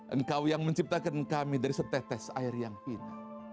engkau yang menciptakan kami dari setetes air yang indah